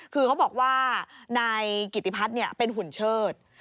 คือเขาบอกว่านายกิติพัฒน์เป็นหุ่นเชิด